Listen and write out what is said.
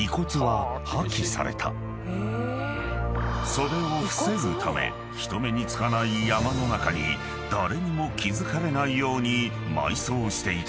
［それを防ぐため人目につかない山の中に誰にも気付かれないように埋葬していた］